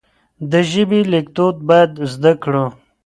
د ژبې ليکدود بايد زده کړو.